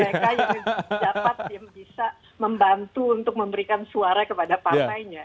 mereka yang dapat yang bisa membantu untuk memberikan suara kepada partainya